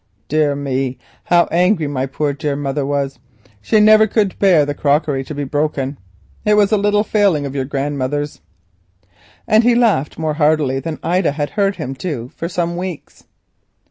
Dear me! how angry my poor mother was. She never could bear the crockery to be broken—it was a little failing of your grandmother's," and he laughed more heartily than Ida had heard him do for some weeks.